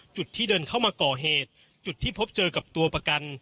จุดที่เดินเข้ามาก่อเหตุจุดที่พบเจอกับตัวประกัน